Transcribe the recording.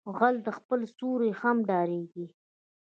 غل له خپل سيوري هم ډاریږي